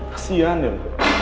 kasian ya lo